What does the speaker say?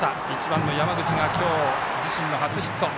１番の山口が今日自身の初ヒット。